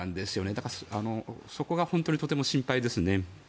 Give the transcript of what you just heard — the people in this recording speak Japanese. だから、そこが本当にとても心配ですね。